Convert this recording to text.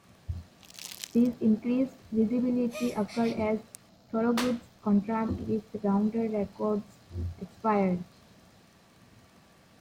This increased visibility occurred as Thorogood's contract with Rounder Records expired.